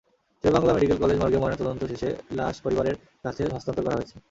Sherebangla medical college মর্গে ময়নাতদন্ত শেষে লাশ পরিবারের কাছে হস্তান্তর করা হয়েছে।